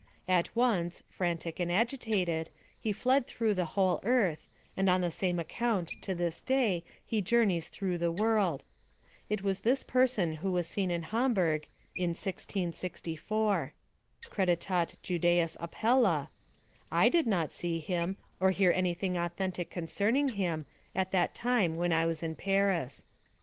At once, frantic and agitated, he fled through the whole earth, and on the same account to this day he journeys through the world. It was this person who was seen in Hamburg in MDLXIV. Credat Judæus Apella! I did not see him, or hear anything authentic concerning him, at that time when I was in Paris."